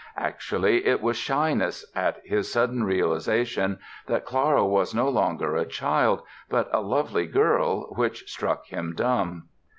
Actually, it was shyness at his sudden realization that Clara was no longer a child but a lovely girl which struck him dumb.